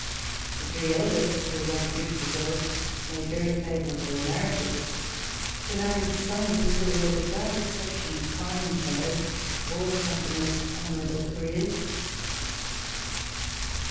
The three eldest, who were rather beautiful girls, made very favorable marriages. The nine sons, who were without excep tion fine fellows, all had most honorable careers.